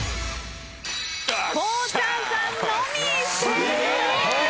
こうちゃんさんのみ正解です。